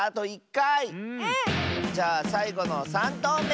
じゃあさいごの３とうめ！